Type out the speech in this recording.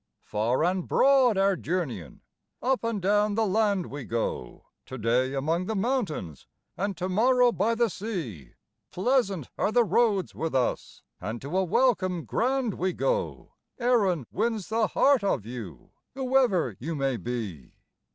Far and broad our journeyin', up and down the land we go, Today among the mountains and tomorrow by the sea; Pleasant are the roads with us, and to a welcome grand we go, Erin wins the heart of you, whoever you may be.